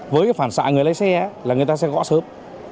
với cái phản xạ người lái xe là người ta sẽ gõ sớm